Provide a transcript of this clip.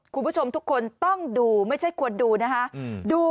คุณผู้ชมทุกคนต้องดูไม่ใช่ควรดูนะคะ